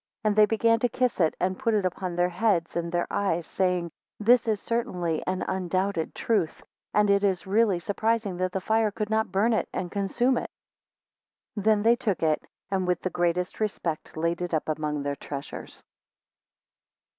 9 Then they began to kiss it, and put it upon their heads and their eyes saying, This is certainly an undoubted truth, and it is really surprising that the fire could not burn it, and consume it. 10 Then they took it, and with the greatest respect laid it up among their treasures.